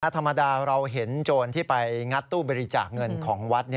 ธรรมดาเราเห็นโจรที่ไปงัดตู้บริจาคเงินของวัด